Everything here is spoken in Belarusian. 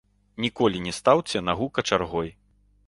Ніколі не стаўце нагу качаргой.